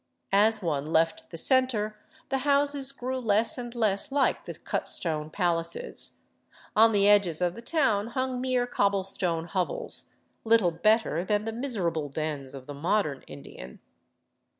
As one left the center, the houses grew less and less like the cut stone palaces ; on the edges of the town hung mere cobblestone hovels, little better than the miserable dens of the modern Indian.